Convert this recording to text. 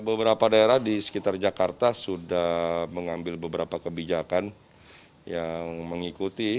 beberapa daerah di sekitar jakarta sudah mengambil beberapa kebijakan yang mengikuti